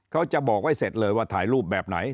เขาจะบอกไว้เสร็จเลยว่าถ่ายรูปแบบไหน